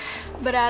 aku mau berhati hati